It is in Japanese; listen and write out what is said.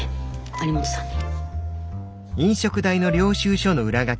有本さんに。